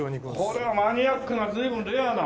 これはマニアックな随分レアな。